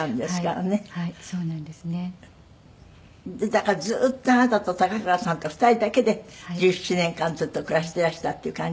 だからずっとあなたと高倉さんと２人だけで１７年間ずっと暮らしていらしたっていう感じ？